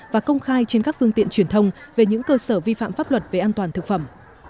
và công khai trên các phương tiện truyền thông về những cơ sở vi phạm pháp luật về an toàn thực phẩm